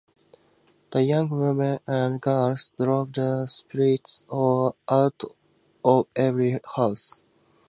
The young women and girls drove the spirits out of every house.